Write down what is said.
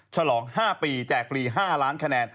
ฉลอง๕ปีแจกฟรี๕ล้านคะแนน